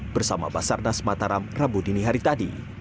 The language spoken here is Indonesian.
bersama basar nas mataram rabu dini hari tadi